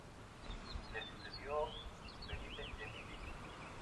Le sucedió Philippe de Milly.